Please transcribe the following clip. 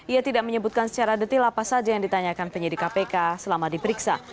ia tidak menyebutkan secara detil apa saja yang ditanyakan penyidik kpk selama diperiksa